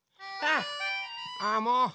あもう！